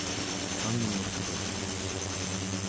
angnirtuq